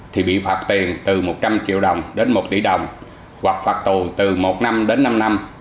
thì bị phạt tiền từ một trăm linh triệu đồng đến một tỷ đồng hoặc phạt tù từ một năm đến năm năm